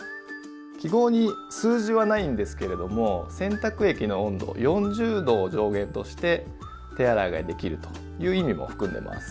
記号に数字はないんですけれども洗濯液の温度４０℃を上限として手洗いができるという意味も含んでます。